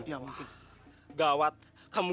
peres tuh pasti peres